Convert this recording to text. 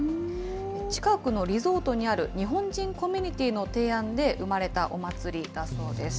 近くのリゾートにある日本人コミュニティの提案で生まれたお祭りだそうです。